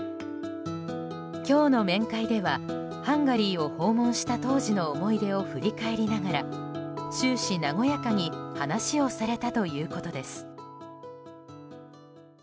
今日の面会では、ハンガリーを訪問した当時の思い出を振り返りながら終始、和やかに話をされたということです。